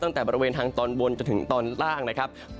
ตั้งแต่บริเวณทางตอนบนจนถึงตอนล่างนะครับ